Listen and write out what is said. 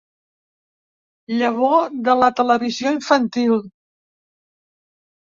Llavor de la televisió infantil.